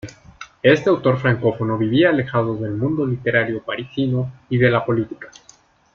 Este autor francófono vivía alejado del "mundo literario parisino", y de la política.